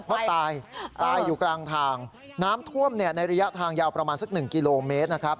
เพราะตายตายอยู่กลางทางน้ำท่วมในระยะทางยาวประมาณสัก๑กิโลเมตรนะครับ